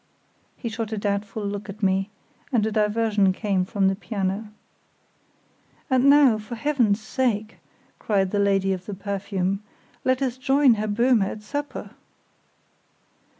He shot a doubtful look at me, and a diversion came from the piano. "And now, for Heaven's sake," cried the lady of the perfume, "let us join Herr Böhme at supper!"